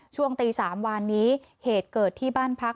ช่วงตี๓วานนี้เหตุเกิดที่บ้านพัก